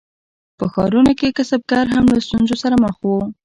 په ښارونو کې کسبګر هم له ستونزو سره مخ وو.